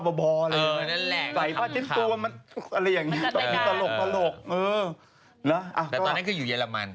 แต่ตอนนั้นจะอยู่เยอรมัน